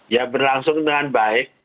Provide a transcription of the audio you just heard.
ya berlangsung dengan baik